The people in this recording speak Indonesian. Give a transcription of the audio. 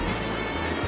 jangan makan aku